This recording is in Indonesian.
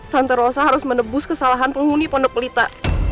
tante rosa harus menebus kesalahan penghuni pondok pelita